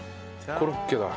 コロッケだ。